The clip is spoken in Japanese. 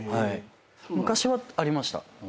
昔はありました。